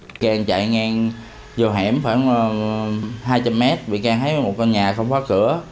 vị can chạy ngang vô hẻm khoảng hai trăm linh m vị can thấy một con nhà không khóa cửa